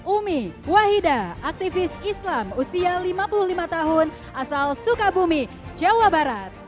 umi wahida aktivis islam usia lima puluh lima tahun asal sukabumi jawa barat